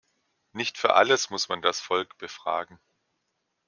Nicht für alles muss man das Volk befragen.